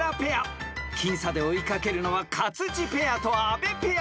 ［僅差で追い掛けるのは勝地ペアと阿部ペア］